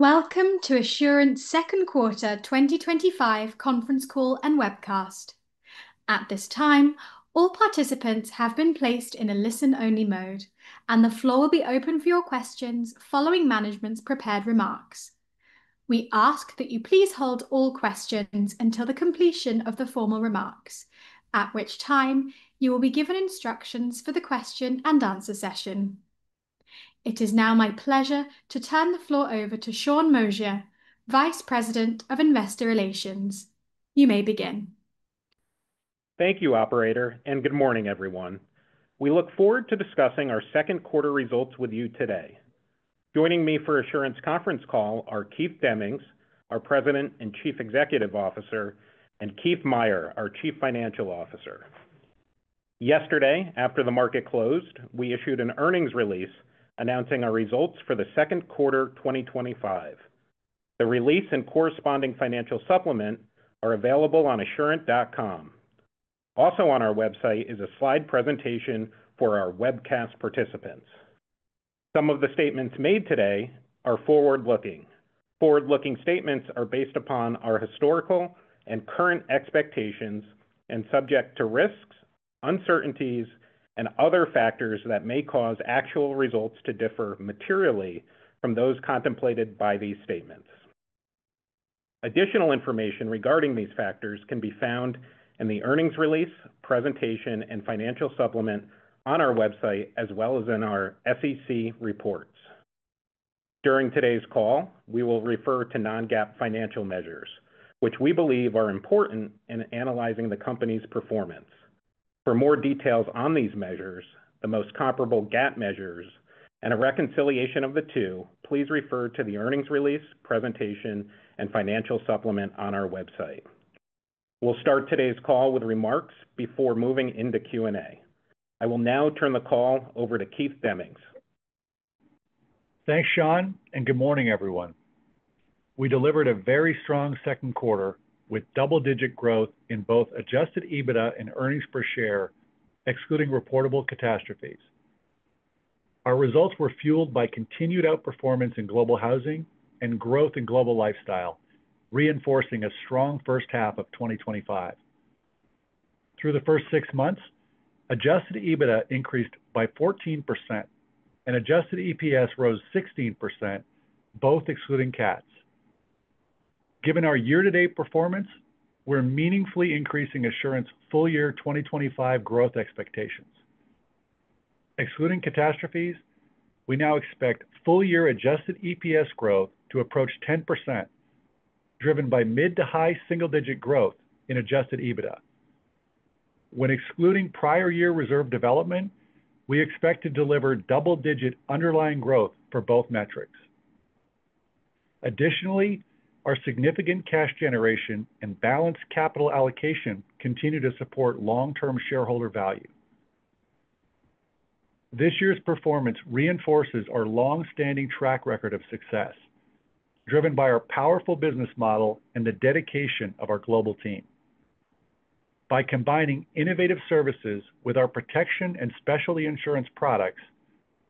Welcome to Assurant second quarter 2025 conference call and webcast. At this time, all participants have been placed in a listen-only mode and the floor will be open for your questions. Following management's prepared remarks, we ask that you please hold all questions until the completion of the formal remarks, at which time you will be given instructions for the question and answer session. It is now my pleasure to turn the floor over to Sean Moshier, Vice President of Investor Relations. You may begin. Thank you, Operator, and good morning, everyone. We look forward to discussing our second quarter results with you today. Joining me for Assurant's conference call are Keith Demmings, our President and Chief Executive Officer, and Keith Meier, our Chief Financial Officer. Yesterday, after the market closed, we issued an earnings release announcing our results for the second quarter 2025. The release and corresponding financial supplement are available on assurant.com. Also on our website is a slide presentation for our webcast participants. Some of the statements made today are forward-looking. Forward-looking statements are based upon our historical and current expectations and subject to risks, uncertainties, and other factors that may cause actual results to differ materially from those contemplated by these statements. Additional information regarding these factors can be found in the earnings release presentation and financial supplement on our website as well as in our SEC reports. During today's call, we will refer to non-GAAP financial measures which we believe are important in analyzing the company's performance. For more details on these measures, the most comparable GAAP measures, and a reconciliation of the two, please refer to the earnings release presentation and financial supplement on our website. We'll start today's call with remarks before moving into Q&A. I will now turn the call over to Keith Demmings. Thanks, Sean, and good morning, everyone. We delivered a very strong second quarter with double-digit growth in both adjusted EBITDA and earnings per share excluding reportable catastrophes. Our results were fueled by continued outperformance in Global Housing and growth in Global Lifestyle, reinforcing a strong first half of 2025. Through the first six months, adjusted EBITDA increased by 14% and adjusted EPS rose 16%, both excluding cats. Given our year-to-date performance, we're meaningfully increasing Assurant's full year 2025 growth expectations excluding catastrophes. We now expect full year adjusted EPS growth to approach 10% driven by mid to high single-digit growth in adjusted EBITDA. When excluding prior year reserve development, we expect to deliver double-digit underlying growth for both metrics. Additionally, our significant cash generation and balanced capital allocation continue to support long-term shareholder value. This year's performance reinforces our long-standing track record of success driven by our powerful business model and the dedication of our global team. By combining innovative services with our protection and specialty insurance products,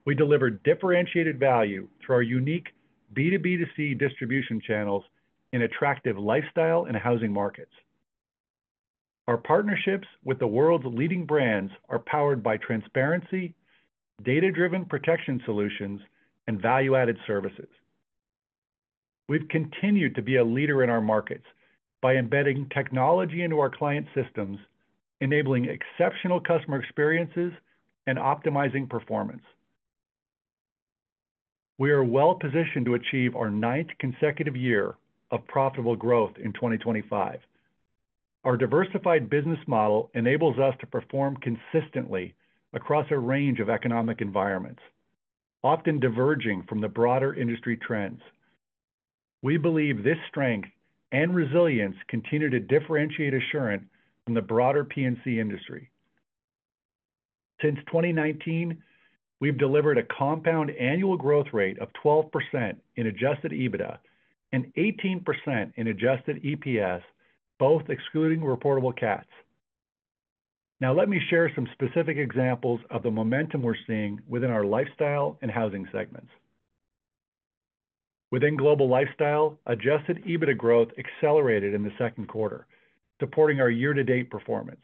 we deliver differentiated value through our unique B2B2C distribution channels in attractive lifestyle and housing markets. Our partnerships with the world's leading brands are powered by transparency, data-driven protection solutions, and value-added services. We've continued to be a leader in our markets by embedding technology into our client systems, enabling exceptional customer experiences, and optimizing performance. We are well positioned to achieve our ninth consecutive year of profitable growth in 2025. Our diversified business model enables us to perform consistently across a range of economic environments, often diverging from the broader industry trends. We believe this strength and resilience continue to differentiate Assurant from the broader P&C industry. Since 2019, we've delivered a compound annual growth rate of 12% in adjusted EBITDA and 18% in adjusted EPS, both excluding reportable cats. Now let me share some specific examples of the momentum we're seeing within our lifestyle and housing segments. Within Global Lifestyle, adjusted EBITDA growth accelerated in the second quarter, supporting our year-to-date performance.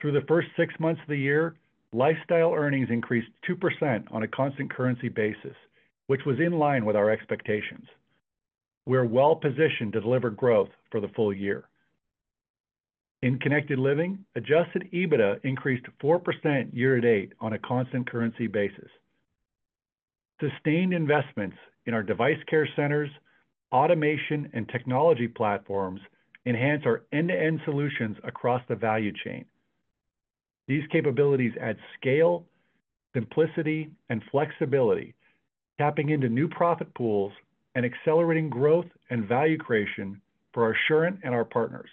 Through the first six months of the year, lifestyle earnings increased 2% on a constant currency basis, which was in line with our expectations. We are well positioned to deliver growth for the full year in Connected Living. Adjusted EBITDA increased 4% year-to-date on a constant currency basis. Sustained investments in our device care centers, automation, and technology platforms enhance our end-to-end solutions across the value chain. These capabilities add scale, simplicity, and flexibility, tapping into new profit pools and accelerating growth and value creation for Assurant and our partners.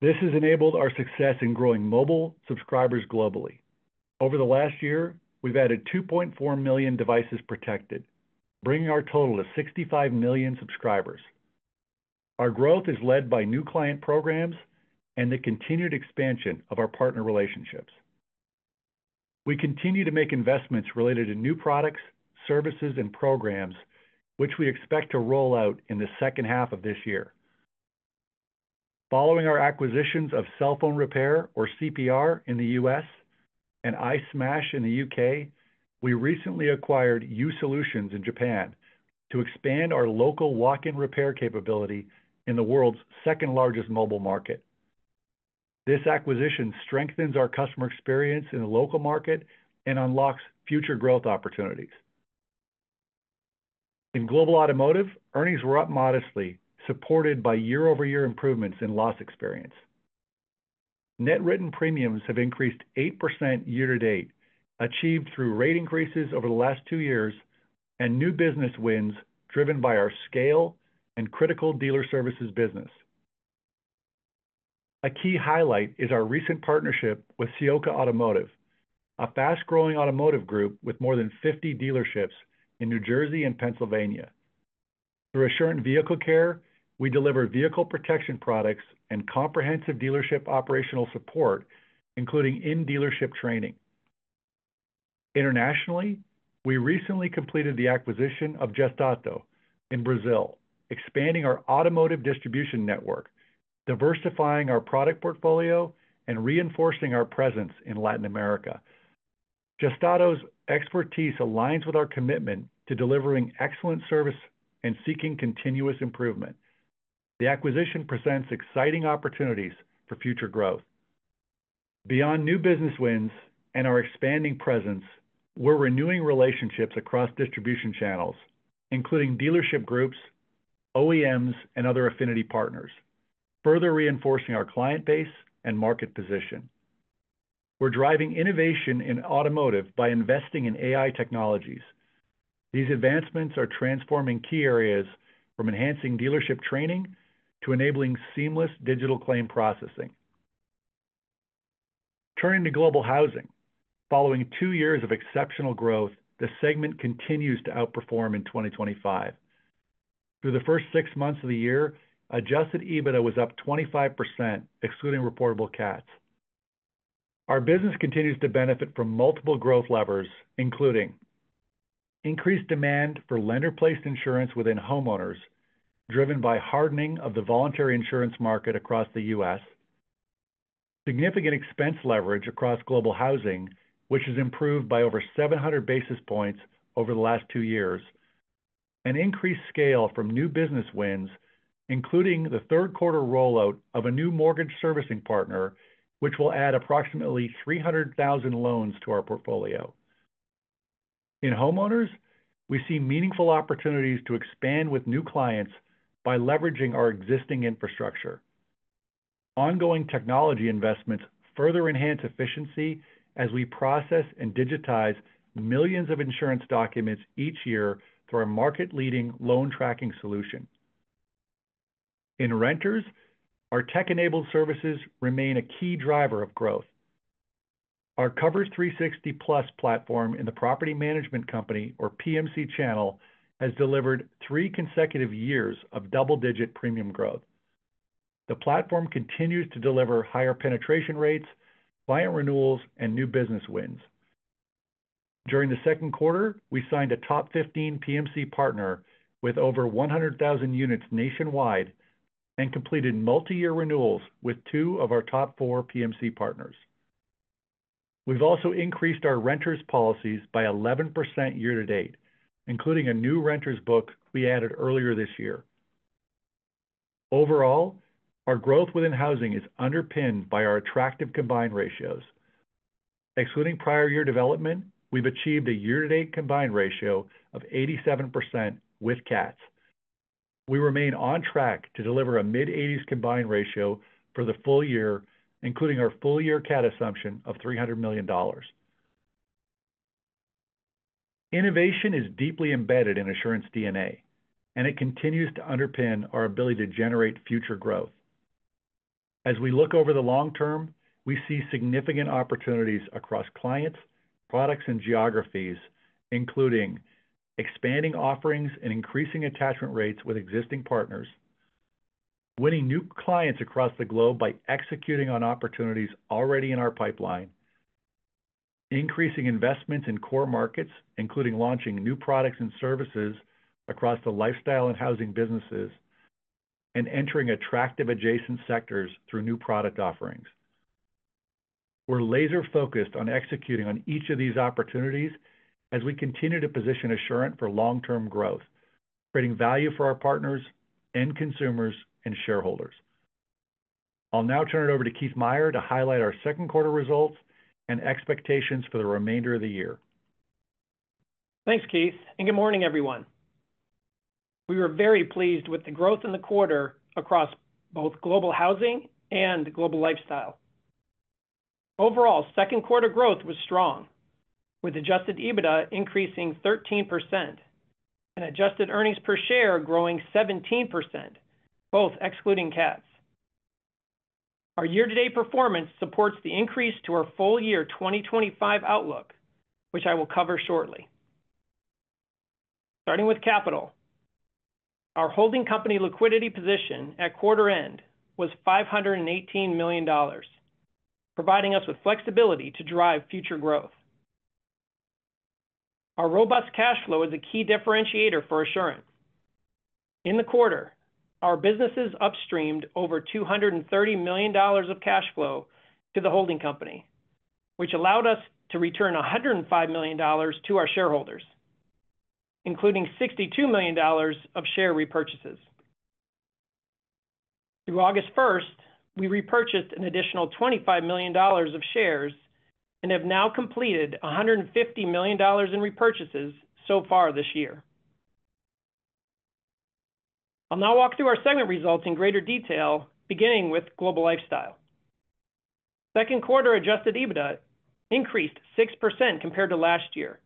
This has enabled our success in growing mobile subscribers globally. Over the last year, we've added 2.4 million devices protected, bringing our total to 65 million subscribers. Our growth is led by new client programs and the continued expansion of our partner relationships. We continue to make investments related to new products, services, and programs, which we expect to roll out in the second half of this year. Following our acquisitions of Cell Phone Repair or CPR in the U.S. and iSmash in the U.K., we recently acquired U-solutions in Japan to expand our local walk-in repair capability in the world's second largest mobile market. This acquisition strengthens our customer experience in the local market and unlocks future growth opportunities in Global Automotive. Earnings were up modestly, supported by year-over-year improvements in loss experience. Net written premiums have increased 8% year to date, achieved through rate increases over the last two years and new business wins driven by our scale and critical dealer services business. A key highlight is our recent partnership with Ciocca Automotive, a fast-growing automotive group with more than 50 dealerships in New Jersey and Pennsylvania. Through Assurant Vehicle Care, we deliver vehicle protection products and comprehensive dealership operational support, including in-dealership training. Internationally, we recently completed the acquisition of Gestauto in Brazil, expanding our automotive distribution network, diversifying our product portfolio, and reinforcing our presence in Latin America. Gestauto's expertise aligns with our commitment to delivering excellent service and seeking continuous improvement. The acquisition presents exciting opportunities for future growth beyond new business wins and our expanding presence. We're renewing relationships across distribution channels, including dealership groups, OEMs, and other affinity partners, further reinforcing our client base and market position. We're driving innovation in automotive by investing in AI technologies. These advancements are transforming key areas from enhancing dealership training to enabling seamless digital claim processing. Turning to Global Housing, following two years of exceptional growth, the segment continues to outperform. In 2025, through the first six months of the year, adjusted EBITDA was up 25% excluding reportable cats. Our business continues to benefit from multiple growth levers, including increased demand for lender-placed insurance within homeowners driven by hardening of the voluntary insurance market across the U.S., significant expense leverage across Global Housing which has improved by over 700 basis points over the last two years, and increased scale from new business wins, including the third quarter rollout of a new mortgage servicing partner which will add approximately 300,000 loans to our portfolio. In homeowners, we see meaningful opportunities to expand with new clients by leveraging our existing infrastructure. Ongoing technology investments further enhance efficiency as we process and digitize millions of insurance documents each year through our market-leading loan tracking solution. In renters, our tech-enabled services remain a key driver of growth. Our Cover360 Plus platform in the property management company, or PMC, channel has delivered three consecutive years of double-digit premium growth. The platform continues to deliver higher penetration rates, client renewals, and new business wins. During the second quarter, we signed a top 15 PMC partner with over 100,000 units nationwide and completed multi-year renewals with 2 of our top 4 PMC partners. We've also increased our renters policies by 11% year to date, including a new renters book we added earlier this year. Overall, our growth within housing is underpinned by our attractive combined ratios. Excluding prior year development, we've achieved a year-to-date combined ratio of 87%. With cats, we remain on track to deliver a mid-80s combined ratio for the full year, including our full-year cat assumption of $300 million. Innovation is deeply embedded in Assurant's DNA, and it continues to underpin our ability to generate future growth. As we look over the long term, we see significant opportunities across clients, products, and geographies, including expanding offerings and increasing attachment rates with existing partners, winning new clients across the globe by executing on opportunities already in our pipeline, increasing investments in core markets including launching new products and services across the lifestyle and housing businesses, and entering attractive adjacent sectors through new product offerings. We're laser-focused on executing on each of these opportunities as we continue to position Assurant for long-term growth, creating value for our partners, end consumers, and shareholders. I'll now turn it over to Keith Meier to highlight our second quarter results and expectations for the remainder of the year. Thanks Keith and good morning everyone. We were very pleased with the growth in the quarter across both Global Housing and Global Lifestyle. Overall, second quarter growth was strong with adjusted EBITDA increasing 13% and adjusted earnings per share growing 17%, both excluding cats. Our year-to-date performance supports the increase to our full year 2025 outlook, which I will cover shortly. Starting with capital, our holding company liquidity position at quarter end was $518 million, providing us with flexibility to drive future growth. Our robust cash flow is a key differentiator for Assurant. In the quarter, our businesses upstreamed over $230 million of cash flow to the holding company, which allowed us to return $105 million to our shareholders, including $62 million of share repurchases through August 1st. We repurchased an additional $25 million of shares and have now completed $150 million in repurchases so far this year. I'll now walk through our segment results in greater detail. Beginning with Global Lifestyle, second quarter adjusted EBITDA increased 6% compared to last year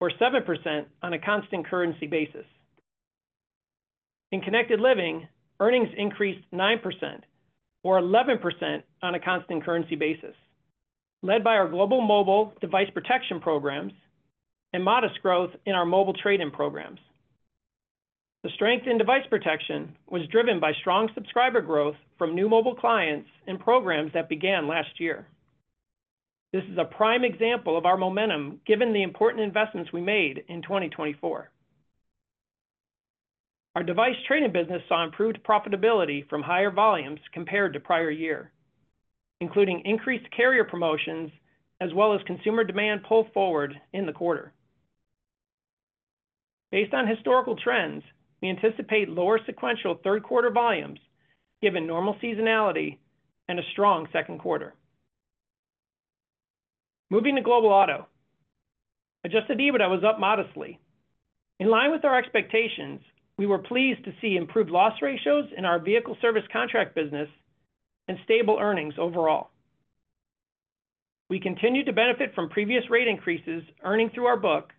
or 7% on a constant currency basis. In Connected Living, earnings increased 9% or 11% on a constant currency basis, led by our global mobile device protection programs and modest growth in our mobile trade-in programs. The strength in device protection was driven by strong subscriber growth from new mobile clients and programs that began last year. This is a prime example of our momentum given the important investments we made in 2024. Our device training business saw improved profitability from higher volumes compared to prior year, including increased carrier promotions as well as consumer demand pull forward in the quarter. Based on historical trends, we anticipate lower sequential third quarter volumes given normal seasonality and a strong second quarter. Moving to Global Auto, adjusted EBITDA was up modestly in line with our expectations. We were pleased to see improved loss ratios in our vehicle service contract business and stable earnings overall. We continue to benefit from previous rate increases, earning through our book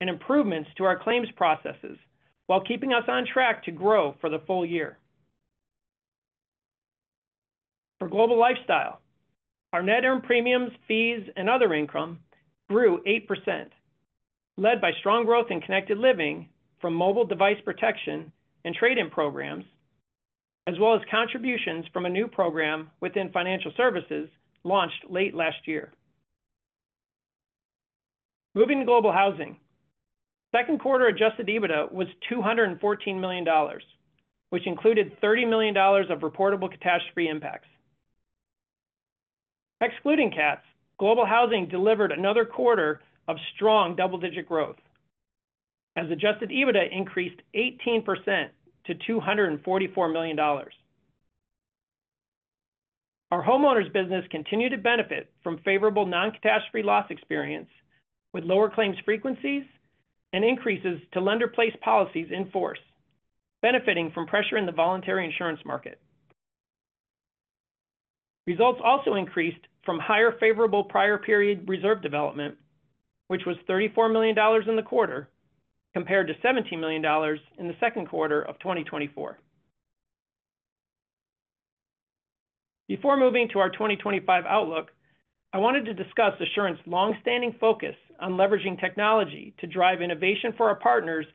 and improvements to our claims processes while keeping us on track to grow for the full year. For Global Lifestyle, our net earned premiums, fees and other income grew 8% led by strong growth in Connected Living from mobile device protection and trade-in programs as well as contributions from a new program within financial services launched late last year. Moving to Global Housing, second quarter adjusted EBITDA was $214 million, which included $30 million of reportable catastrophe impacts. Excluding cats, Global Housing delivered another quarter of strong double-digit growth as adjusted EBITDA increased 18% to $244 million. Our homeowners business continued to benefit from favorable non-catastrophe loss experience with lower claims frequencies and increases to lender-placed policies in force, benefiting from pressure in the voluntary insurance market. Results also increased from higher favorable prior period reserve development, which was $34 million in the quarter compared to $17 million in the second quarter of 2024. Before moving to our 2025 outlook, I wanted to discuss Assurant's long-standing focus on leveraging technology to drive innovation for our partners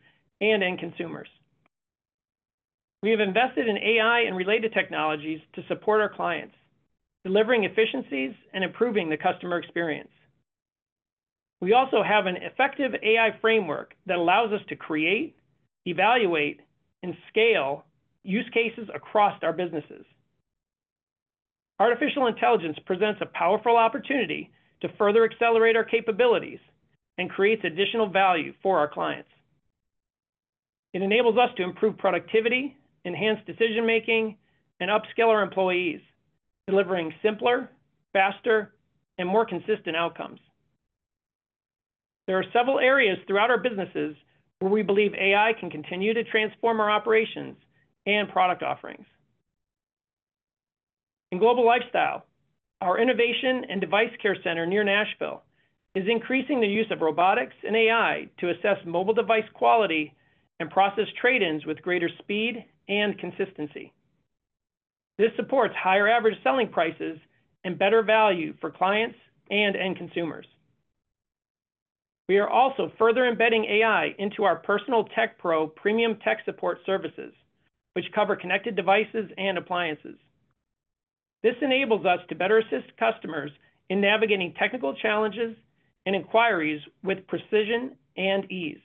and end consumers. We have invested in AI and related technologies to support our clients, delivering efficiencies and improving the customer experience. We also have an effective AI framework that allows us to create, evaluate and scale use cases across our businesses. Artificial intelligence presents a powerful opportunity to further accelerate our capabilities and creates additional value for our clients. It enables us to improve productivity, enhance decision making and upscale our employees, delivering simpler, faster and more consistent outcomes. There are several areas throughout our businesses where we believe AI can continue to transform our operations and product offerings in Global Lifestyle. Our Innovation and Device Care Center near Nashville is increasing the use of robotics and AI to assess mobile device quality and process trade-ins with greater speed and consistency. This supports higher average selling prices and better value for clients and end consumers. We are also further embedding AI into our personal TechPro premium tech support services, which cover connected devices and appliances. This enables us to better assist customers in navigating technical challenges and inquiries with precision and ease.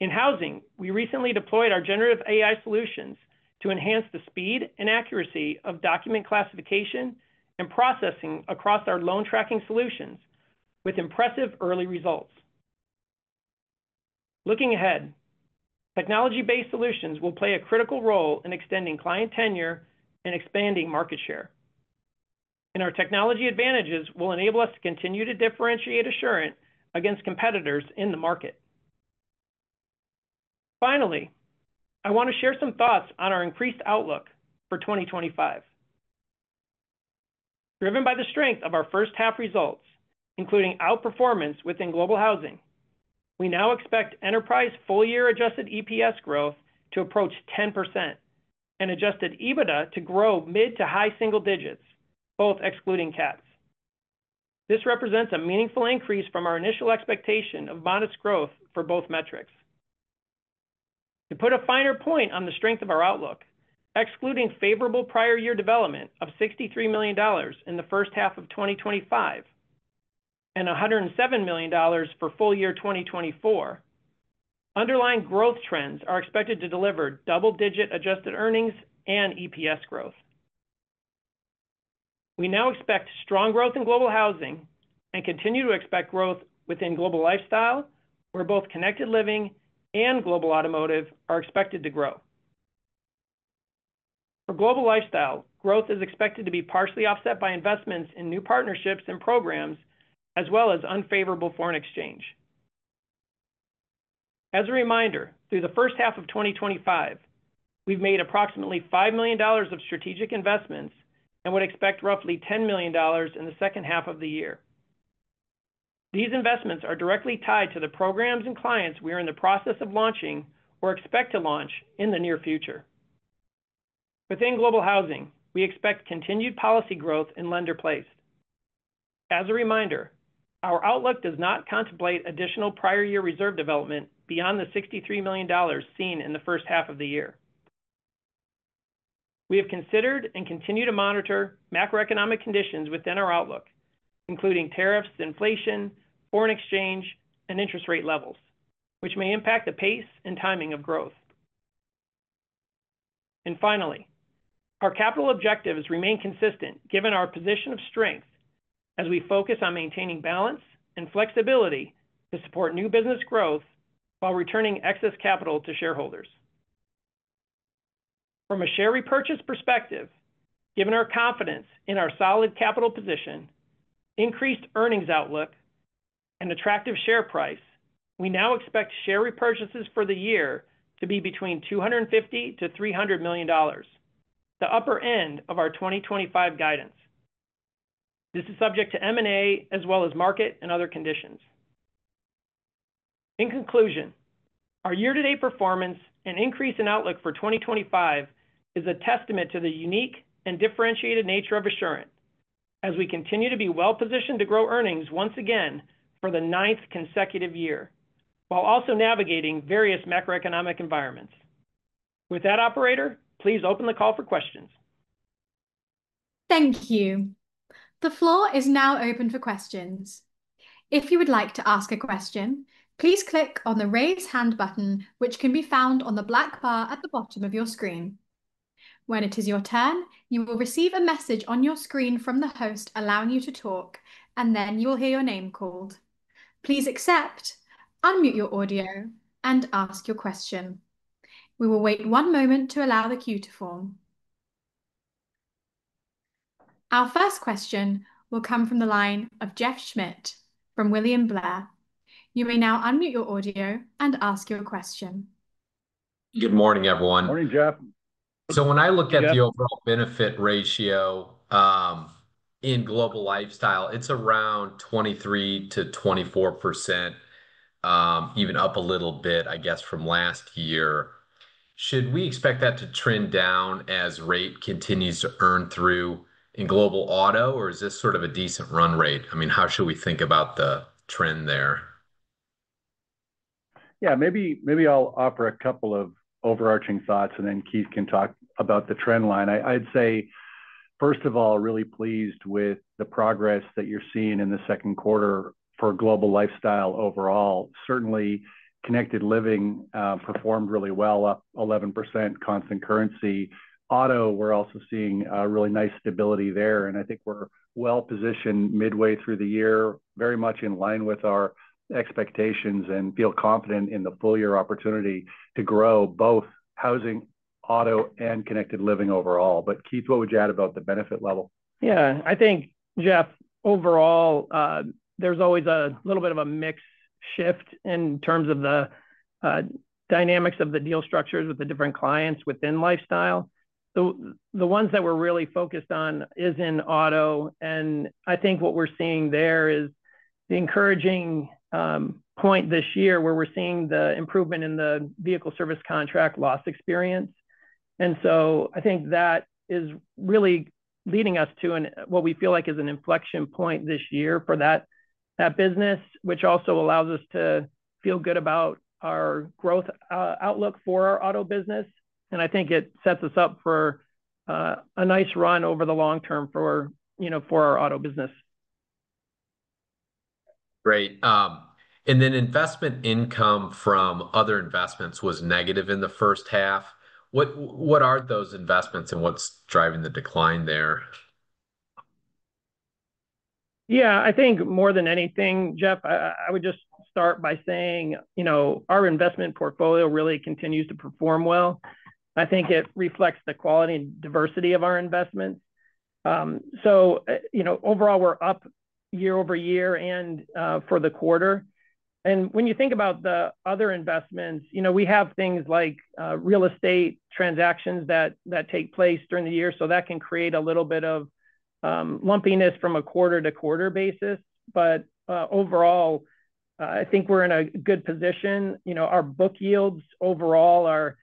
In Housing we recently deployed our generative AI solutions to enhance the speed and accuracy of document classification and processing across our loan tracking solutions with impressive early results. Looking ahead, technology-based solutions will play a critical role in extending client tenure and expanding market share, and our technology advantages will enable us to continue to differentiate Assurant against competitors in the market. Finally, I want to share some thoughts on our increased outlook for 2025. Driven by the strength of our first half results, including outperformance within Global Housing, we now expect enterprise full year adjusted EPS growth to approach 10% and adjusted EBITDA to grow mid to high single digits, both excluding cats. This represents a meaningful increase from our initial expectation of modest growth for both metrics. To put a finer point on the strength of our outlook, excluding favorable prior year development of $63 million in the first half of 2025 and $107 million for full year 2024, underlying growth trends are expected to deliver double-digit adjusted earnings and EPS growth. We now expect strong growth in Global Housing and continue to expect growth within Global Lifestyle, where both Connected Living and Global Automotive are expected to grow. For Global Lifestyle, growth is expected to be partially offset by investments in new partnerships and programs as well as unfavorable foreign exchange. As a reminder, through the first half of 2025 we've made approximately $5 million of strategic investments and would expect roughly $10 million in the second half of the year. These investments are directly tied to the programs and clients we are in the process of launching or expect to launch in the near future. Within Global Housing, we expect continued policy growth in lender-placed. As a reminder, our outlook does not contemplate additional prior year reserve development beyond the $63 million seen in the first half of the year. We have considered and continue to monitor macroeconomic conditions within our outlook, including tariffs, inflation, foreign exchange, and interest rate levels, which may impact the pace and timing of growth. Finally, our capital objectives remain consistent given our position of strength as we focus on maintaining balance and flexibility to support new business growth while returning excess capital to shareholders. From a share repurchase perspective, given our confidence in our solid capital position, increased earnings outlook and attractive share price, we now expect share repurchases for the year to be between $250 million-$300 million, the upper end of our 2025 guidance. This is subject to M&A as well as market and other conditions. In conclusion, our year-to-date performance and increase in outlook for 2025 is a testament to the unique and differentiated nature of Assurant as we continue to be well positioned to grow earnings once again for the ninth consecutive year while also navigating various macroeconomic environments. With that, operator, please open the call for questions. Thank you. The floor is now open for questions. If you would like to ask a question, please click on the raise hand button, which can be found on the black bar at the bottom of your screen. When it is your turn, you will receive a message on your screen from the host allowing you to talk, and then you will hear your name called. Please accept, unmute your audio, and ask your question. We will wait one moment to allow the queue to form. Our first question will come from the line of Jeff Schmitt from William Blair. You may now unmute your audio and ask your question. Good morning everyone. Morning, Jeff. When I look at the overall benefit ratio in Global Lifestyle, it's around 23%-24%, even up a little bit, I guess from last year. Should we expect that to trend down as rate continues to earn through in Global Auto or is this sort of a decent run rate? How should we think about the trend there? I'll offer a couple of overarching thoughts and then Keith can talk about the trend line. First of all, really pleased with the progress that you're seeing in the second quarter for Global Lifestyle overall. Certainly Connected Living performed really well, up 11% constant currency auto. We're also seeing really nice stability there and I think we're well positioned midway through the year, very much in line with our expectations and feel confident in the full year opportunity to grow both Housing, Auto, and Connected Living overall. Keith, what would you add about the benefit level? Yeah, I think, Jeff, overall there's always a little bit of a mix shift in terms of the dynamics of the deal structures with the different clients within Lifestyle. The ones that we're really focused on is in auto. I think what we're seeing there is the encouraging point this year where we're seeing the improvement in the vehicle service contract loss experience. I think that is really leading us to what we feel like is an inflection point this year for that business, which also allows us to feel good about our growth outlook for our auto business. I think it sets us up for a nice run over the long term for, you know, for our auto business. Great. Investment income from other investments was negative in the first half. What are those investments and what's driving the decline there? Yeah, I think more than anything, Jeff, I would just start by saying, you know, our investment portfolio really continues to perform well. I think it reflects the quality and diversity of our investment. You know, overall we're up year-over-year and for the quarter. When you think about the other investments, you know, we have things like real estate transactions that take place during the year. That can create a little bit of lumpiness from a quarter to quarter basis. Overall, I think we're in a good position. You know our book yields overall are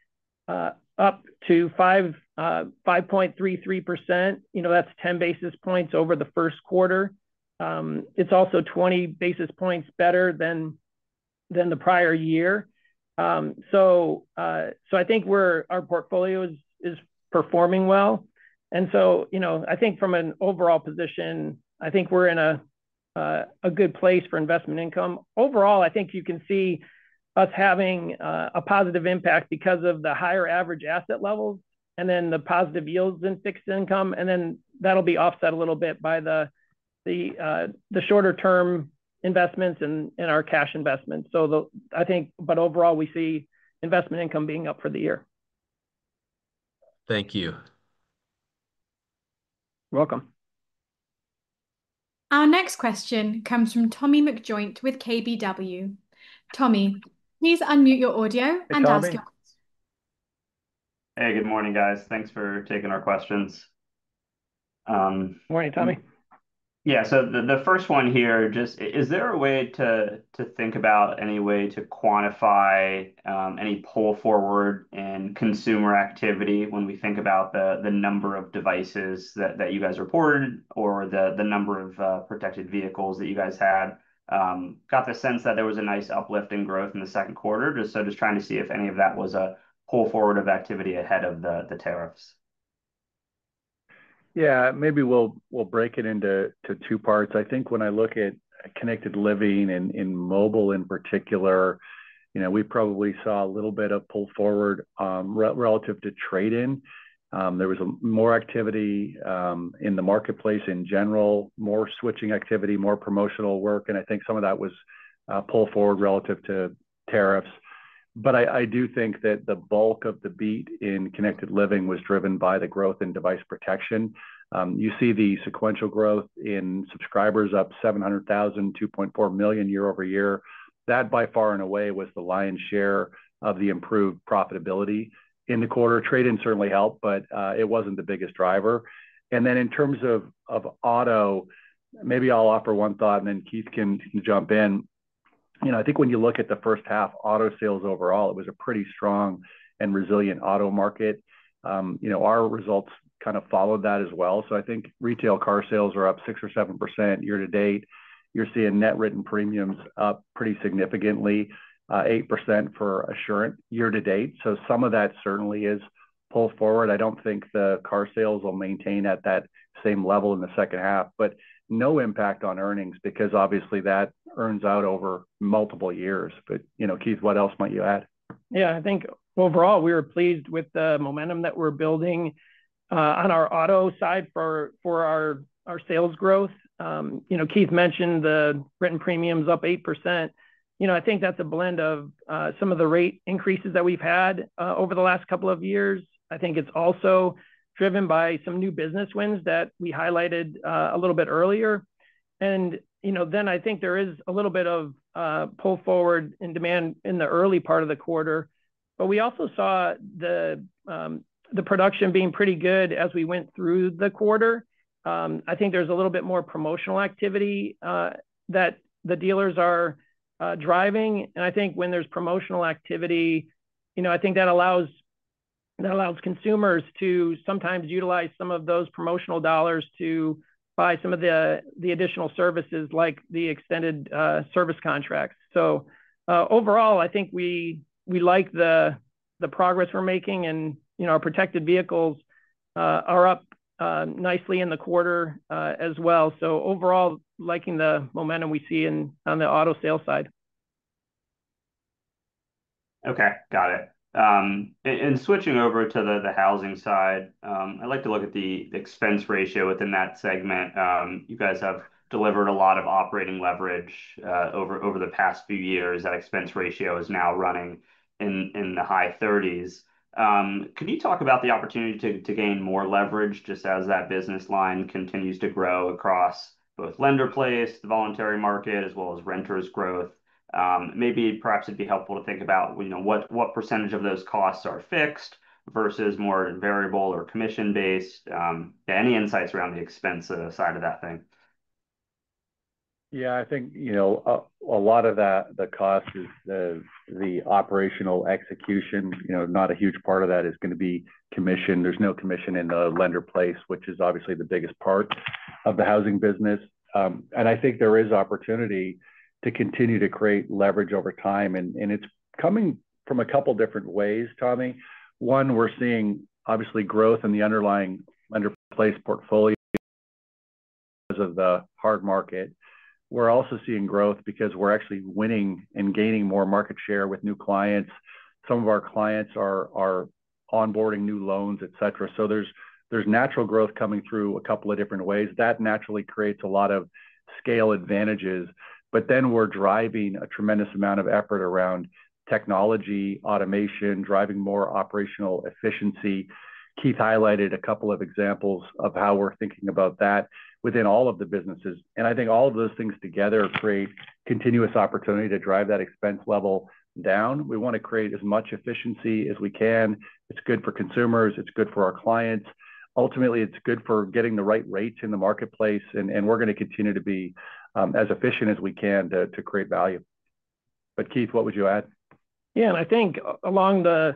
up to 5.33%. That's 10 basis points over the first quarter. It's also 20 basis points better than the prior year. I think our portfolio is performing well. You know, I think from an overall position, I think we're in a good place for investment income. Overall, I think you can see us having a positive impact because of the higher average asset levels and then the positive yields in fixed income, and then that'll be offset a little bit by the shorter term investments and our cash investment. Overall, we see investment income being up for the year. Thank you. Welcome. Our next question comes from Tommy McJoynt with KBW. Tommy, please unmute your audio and ask your question. Hey, good morning guys. Thanks for taking our questions. Morning Tommy. Yeah, so the first one here just is there a way to think about any way to quantify any pull forward in consumer activity? When we think about the number of devices that you guys reported or the number of protected vehicles that you guys had, got the sense that there was a nice uplift in growth in the second quarter. Just trying to see if any of that was a pull forward of activity ahead of the tariffs. Maybe we'll break it into two parts. I think when I look at Connected Living and in mobile in particular, you know, we probably saw a little bit of pull forward relative to trade in. There was more activity in the marketplace in general, more switching activity, more promotional work. I think some of that was pull forward relative to tariffs. I do think that the bulk of the beat in Connected Living was driven by the growth in device protection. You see the sequential growth in subscribers up 700,000, 2.4 million year-over-year. That by far and away was the lion's share of the improved profitability in the quarter. Trade in certainly helped, but it wasn't the biggest driver. In terms of auto, maybe I'll offer one thought and then Keith can jump in. I think when you look at the first half, auto sales overall, it was a pretty strong and resilient auto market. Our results kind of followed that as well. I think retail car sales are up 6% or 7% year to date. You're seeing net written premiums up pretty significantly, 8% for Assurant year to date. Some of that certainly is pulled forward. I don't think the car sales will maintain at that same level in the second half, but no impact on earnings because obviously that earns out over multiple years. Keith, what else might you add? Yeah, I think overall we were pleased with the momentum that we're building on our auto side for our sales growth. Keith mentioned the written premiums up 8%. I think that's a blend of some of the rate increases that we've had over the last couple of years. I think it's also driven by some new business wins that we highlighted a little bit earlier. I think there is a little bit of pull forward in demand in the early part of the quarter. We also saw the production being pretty good as we went through the quarter. I think there's a little bit more promotional activity that the dealers are driving, and I think when there's promotional activity, that allows consumers to sometimes utilize some of those promotional dollars to buy some of the additional services like the extended service contracts. Overall, I think we like the progress we're making, and our protected vehicles are up nicely in the quarter as well. Overall, liking the momentum we see in on the auto sales side. Okay, got it. Switching over to the housing side, I like to look at the expense ratio within that segment. You guys have delivered a lot of operating leverage over the past few years. That expense ratio is now running in the high 30s. Can you talk about the opportunity to gain more leverage? Just as that business line continues to grow across both lender-placed, the voluntary market as well as renters growth, maybe, perhaps it'd be helpful to think about what percentage of those costs are fixed versus more variable or commission based. Any insights around the expense side of that thing? Yeah, I think a lot of the cost is the operational execution. Not a huge part of that is going to be commission. There's no commission in the lender-placed, which is obviously the biggest part of the housing business. I think there is opportunity to continue to create leverage over time. It's coming from a couple different ways, Tommy. One, we're seeing obviously growth in the underlying lender-placed portfolio because of the hard market. We're also seeing growth because we're actually winning and gaining more market share with new clients. Some of our clients are onboarding new loans, et cetera. There's natural growth coming through a couple of different ways that naturally creates a lot of scale advantages. We're driving a tremendous amount of effort around technology, automation, driving more operational efficiency. Keith highlighted a couple of examples of how we're thinking about that within all of the businesses. I think all of those things together create continuous opportunity to drive that expense level down. We want to create as much efficiency as we can, and it's good for consumers, it's good for our clients. Ultimately, it's good for getting the right rates in the marketplace, and we're going to continue to be as efficient as we can to create value. Keith, what would you add? Yeah, I think along the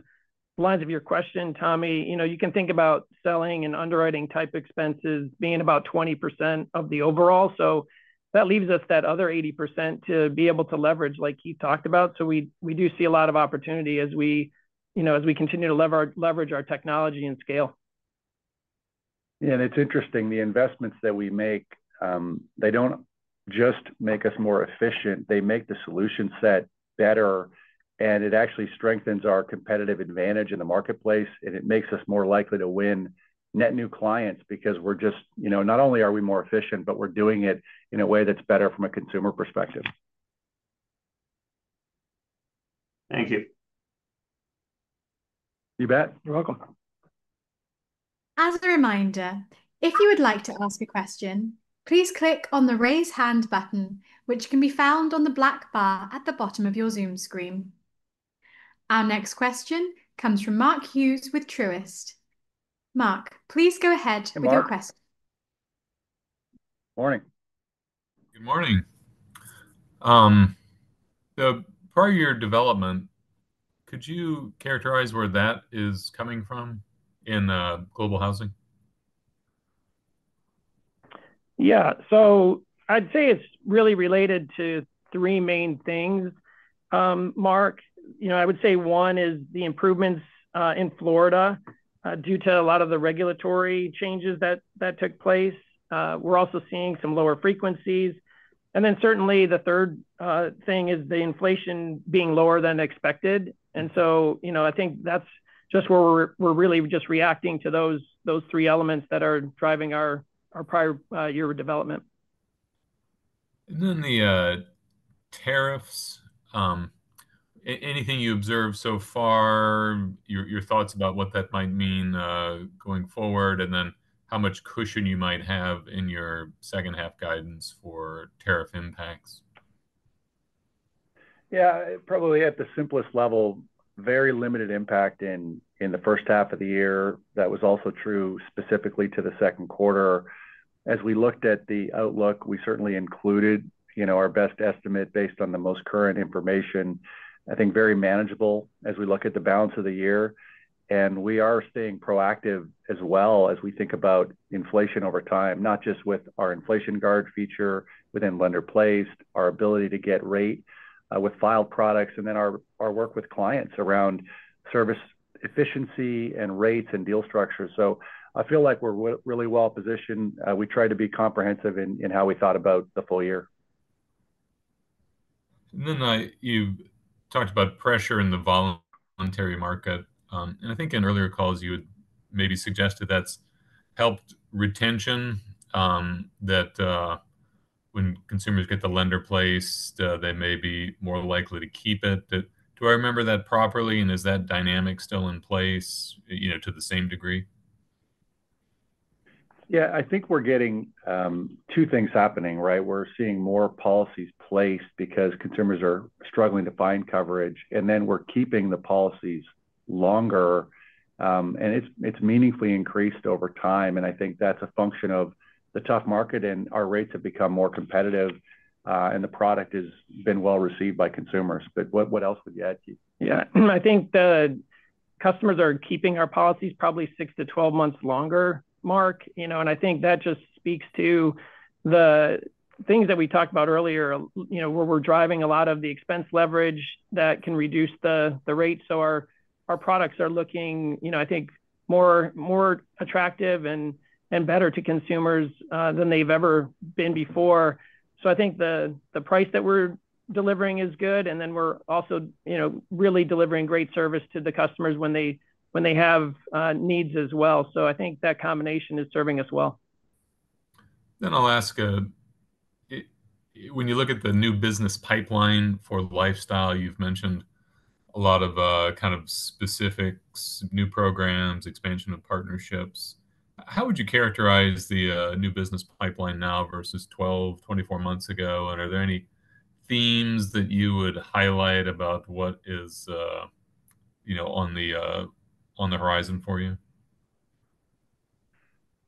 lines of your question, Tommy, you can think about selling and underwriting type expenses being about 20% of the overall. That leaves us that other 80% to be able to leverage, like Keith talked about. We do see a lot of opportunity as we continue to leverage our technology and scale. Yeah, it's interesting, the investments that we make don't just make us more efficient. They make the solution set better, and it actually strengthens our competitive advantage in the marketplace. It makes us more likely to win net new clients because we're just, you know, not only are we more efficient, but we're doing it in a way that's better from a consumer perspective. Thank you. You bet. You're welcome. As a reminder, if you would like to ask a question, please click on the raise hand button, which can be found on the black bar at the bottom of your Zoom screen. Our next question comes from Mark Hughes with Truist. Mark, please go ahead with your question. Good morning. Good morning. Part of your development, could you characterize where that is coming from in Global Housing? Yeah. I'd say it's really related to three main things, Mark. I would say one is the improvements in Florida due to a lot of the regulatory changes that took place. We're also seeing some lower frequencies. Certainly, the third thing is the inflation being lower than expected. I think that's just where we're really just reacting to those three elements that are driving our prior year development. And then the tariffs. Anything you observed so far, your thoughts about what that might mean going forward and then how much cushion you might have in your second half. Guidance for tariff impacts? Yeah, probably at the simplest level, very limited impact in the first half of the year. That was also true specifically to the second quarter. As we looked at the outlook, we certainly included our best estimate based on the most current information. I think very manageable as we look at the balance of the year and we are staying proactive as well as we think about inflation over time, not just with our inflation guard feature within lender-placed Insurance, our ability to get rate with filed products and then our work with clients around service efficiency and rates and deal structures. I feel like we're really well positioned. We tried to be comprehensive in how we thought about the full year. You talked about pressure in the volume market and I think in earlier calls you had maybe suggested that's helped retention, that when consumers get the lender-placed insurance, they may be more likely to keep it. Do I remember that properly? Is that dynamic still in place, you know, to the same degree? Yeah. I think we're getting two things happening, right? We're seeing more policies placed because consumers are struggling to find coverage. We're keeping the policies longer and it's meaningfully increased over time. I think that's a function of the tough market and our rates have become more competitive and the product has been well received by consumers. What else would you add, Keith? Yeah, I think the customers are keeping our policies probably 6-12 months longer, Mark. I think that just speaks to the things that we talked about earlier, where we're driving a lot of the expense leverage that can reduce the rate. Our products are looking, I think, more attractive and better to consumers than they've ever been before. I think the price that we're delivering is good. We're also really delivering great service to the customers when they have needs as well. I think that combination is serving us well. When you look at the new business pipeline for Lifestyle, you've mentioned a lot of specifics, new programs, expansion of partnerships. How would you characterize the new business pipeline now versus 12-24 months ago? Are there any themes that you would highlight about what is on the horizon for you?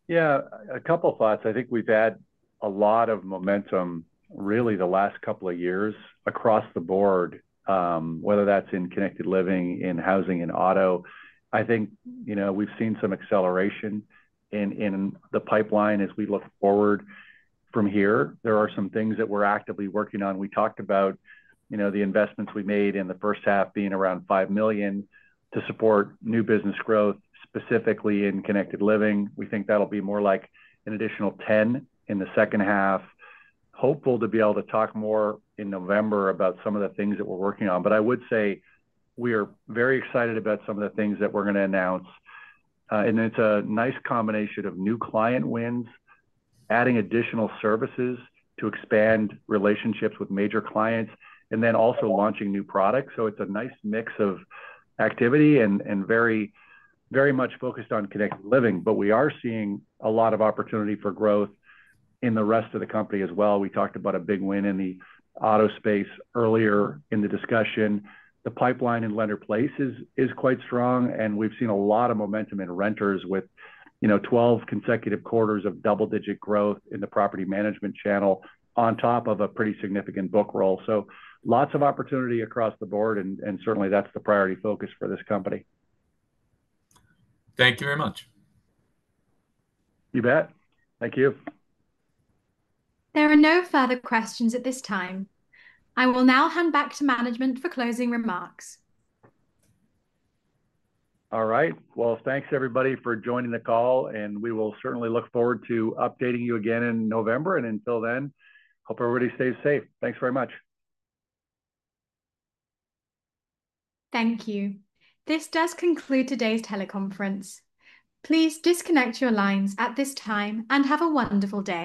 Yeah, a couple thoughts. I think we've had a lot of momentum really the last couple of years across the board, whether that's in Connected Living, in Housing, and Auto. I think we've seen some acceleration in the pipeline as we look forward from here. There are some things that we're actively working on. We talked about the investments we made in the first half being around $5 million to support new business growth, specifically in Connected Living. We think that'll be more like an additional $10 million in the second half, hopeful to be able to talk more in November about some of the things that we're working on. I would say we are very excited about some of the things that we're going to announce. It's a nice combination of new client wins, adding additional services to expand relationships with major clients, and also launching new products. It's a nice mix of activity and very much focused on Connected Living. We are seeing a lot of opportunity for growth in the rest of the company as well. We talked about a big win in the Auto space earlier in the discussion. The pipeline in lender-placed is quite strong, and we've seen a lot of momentum in renters with 12 consecutive quarters of double-digit growth in the property management channel on top of a pretty significant book roll. Lots of opportunity across the board and certainly that's the priority focus for this company. Thank you very much. You bet. Thank you. There are no further questions at this time. I will now hand back to management for closing remarks. All right, thanks everybody for joining the call. We will certainly look forward to updating you again in November. Until then, hope everybody stays safe. Thanks very much. Thank you. This does conclude today's teleconference. Please disconnect your lines at this time and have a wonderful day.